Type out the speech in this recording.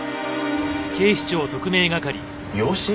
養子？